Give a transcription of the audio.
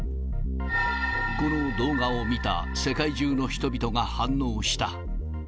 この動画を見た世界中の人々が反応した。